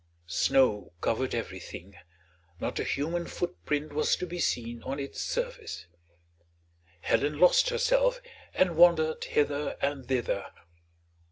Snow covered everything, not a human footprint was to be seen on its surface. Helen lost herself and wandered hither and thither.